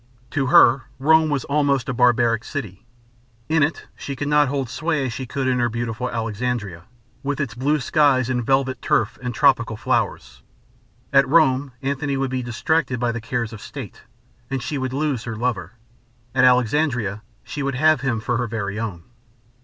To her Rome was almost a barbarian city. In it she could not hold sway as she could in her beautiful Alexandria, with its blue skies and velvet turf and tropical flowers. At Rome Antony would be distracted by the cares of state, and she would lose her lover. At Alexandria she would have him for her very own.